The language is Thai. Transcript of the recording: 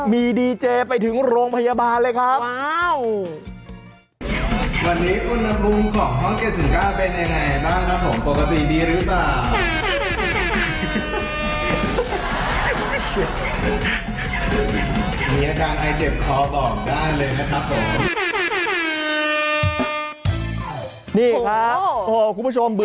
มีดีเจไปถึงโรงพยาบาลเลยครับ